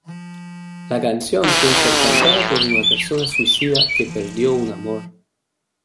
La canción puede ser cantada por una persona suicida que perdió un amor.